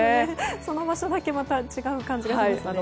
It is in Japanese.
その場所だけ違う感じがありますね。